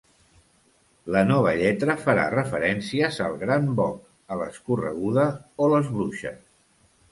La nova lletra farà referències al gran boc, a l’escorreguda o les bruixes.